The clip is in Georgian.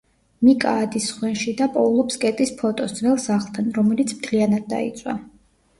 მიკა ადის სხვენში და პოულობს კეტის ფოტოს ძველ სახლთან, რომელიც მთლიანად დაიწვა.